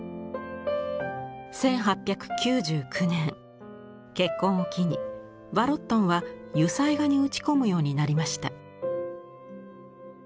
１８９９年結婚を機にヴァロットンは油彩画に打ち込むようになりました。